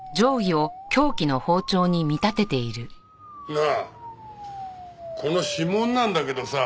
なあこの指紋なんだけどさ。